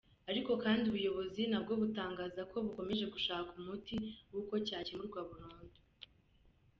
Ariko kandi ubuyobozi nabwo butangaza ko bukomeje gushaka umuti w’uko cyakemurwa burundu.